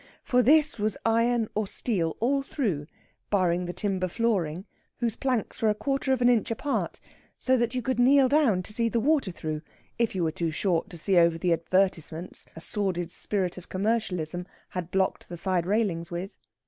For this was iron or steel all through, barring the timber flooring whose planks were a quarter of an inch apart, so that you could kneel down to see the water through if you were too short to see over the advertisements a sordid spirit of commercialism had blocked the side railings with.